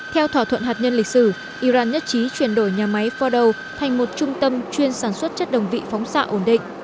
theo thỏa thuận hạt nhân lịch sử iran nhất trí chuyển đổi nhà máy fordow thành một trung tâm chuyên sản xuất chất đồng vị phóng xạ ổn định